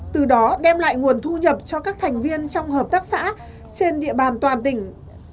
từ đó đem lại nguồn thu nhập cho các thành viên trong hợp tác xã trên địa bàn toàn tỉnh